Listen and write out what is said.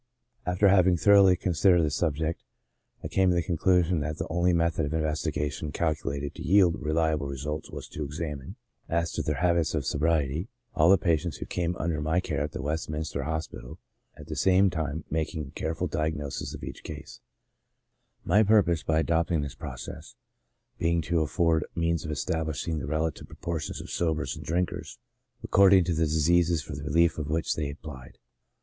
After having thoroughly considered the subject, I came to the conclusion that the only method of investigation calcu lated to yield reliable results was to examine, as to their habits of sobriety, all the patients who came under my care at the Westminster Hospital, at the same time making a careful diagnosis of each case ; my purpose, by adopting this process, being to afford means of establishing the rela tive proportions of sobers and drinkers according to the diseases for the rehef of which they applied.